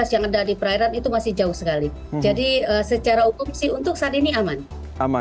jadi secara umum sih untuk saat ini aman